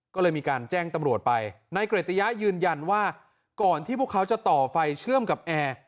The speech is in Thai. ก็เลยมีการแจ้งตำรวจไปนายเกรตยะยืนยันว่าก่อนที่พวกเขาจะต่อไฟเชื่อมกับแอร์